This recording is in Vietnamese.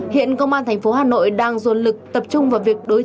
hiện công an thành phố hà nội đang dồn lực tập trung vào việc đối tượng